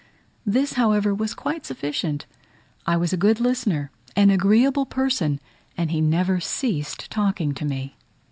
This, however, was quite sufficient: I was a good listener, an agreeable person, and he never ceased talking to me.